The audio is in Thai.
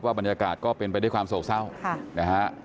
บรรยากาศก็เป็นไปด้วยความโศกเศร้านะฮะ